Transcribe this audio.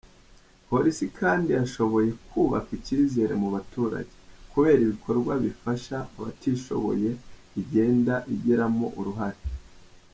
Polisi kandi yashoboye kubaka icyizere mu baturage, kubera ibikorwa bifasha abatishoboye igenda igiramo uruhare.